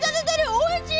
おいしい！